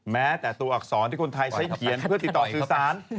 แม้แต่ตัวอักษรที่คนไทยใช้เขียนเพื่อติดต่อสื่อสาร